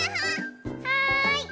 はい。